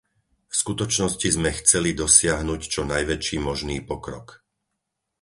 V skutočnosti sme chceli dosiahnuť čo najväčší možný pokrok.